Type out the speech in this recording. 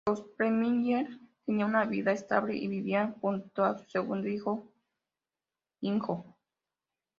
Los Preminger tenían una vida estable y vivían junto a su segundo hijo Ingo.